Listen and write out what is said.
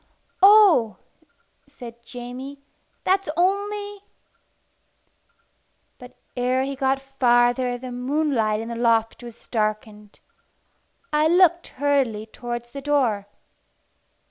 "Oh!" said Jamie, "that's only " But ere he got farther the moonlight in the loft was darkened. I looked hurriedly towards the door.